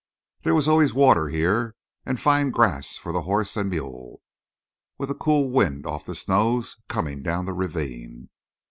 There was always water here, and fine grass for the horse and mule, with a cool wind off the snows coming down the ravine.